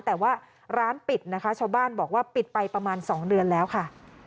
แต่ว่าร้านปิดนะคะชาวบ้านบอกว่าปิดไปประมาณ๒เดือนแล้วค่ะ